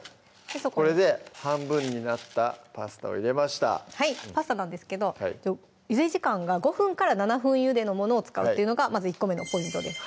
これで半分になったパスタを入れましたパスタなんですけどゆで時間が５分７分ゆでのものを使うっていうのがまず１個目のポイントです